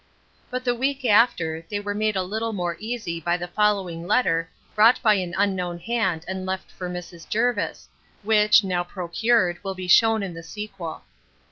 But the week after, they were made a little more easy by the following letter brought by an unknown hand, and left for Mrs. Jervis, which, how procured, will be shewn in the sequel.